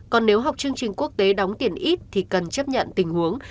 còn nếu học chương trình quốc tế đóng tiền ít thì cần chấp nhận tình huống